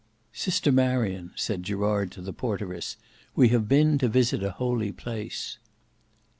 "Sister Marion," said Gerard to the porteress, "we have been to visit a holy place."